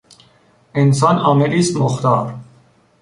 انسان عاملی است مختار.